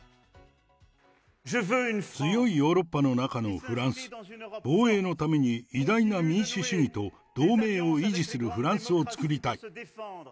強いヨーロッパの中のフランス、防衛のために偉大な民主主義と同盟を維持するフランスを作りたい。